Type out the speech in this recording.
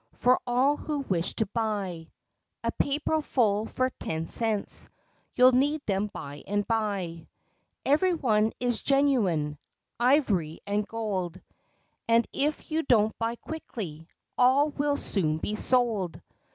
For all who wish to buy— A paperful for ten cents— You'll need them by and by, Everyone is genuine Ivory and gold, And if you don't buy quickly, All will soon be sold!"